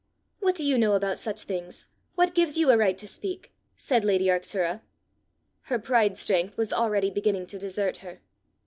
"What do you know about such things? What gives you a right to speak?" said lady Arctura. Her pride strength was already beginning to desert her.